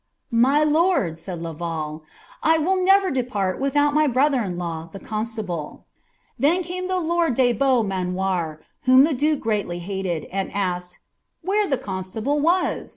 ''"" My lord." raid Laval, " 1 will never depart without my btolhtrHO law. the constable." Then came the lord de Beaumanoir, whom the duke greatly hMi. and naked, " Where ihe constable was